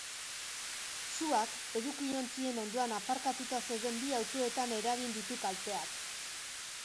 Suak, edukiontzien ondoan aparkatuta zeuden bi autotan eragin ditu kalteak.